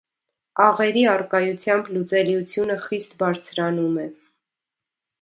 Աղերի առկայությամբ լուծելիությունը խիստ բարձրանում է։